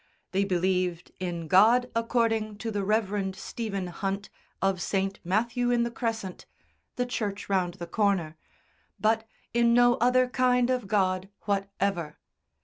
They believed in God according to the Reverend Stephen Hunt, of St. Matthew in the Crescent the church round the corner but in no other kind of God whatever.